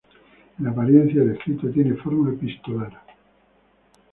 En apariencia, el escrito tiene forma epistolar.